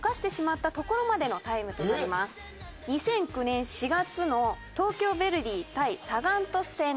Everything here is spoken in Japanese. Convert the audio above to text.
２００９年４月の東京ヴェルディ対サガン鳥栖戦です。